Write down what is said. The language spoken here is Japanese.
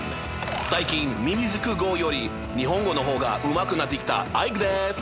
最近ミミズク語より日本語の方がうまくなってきたアイクです！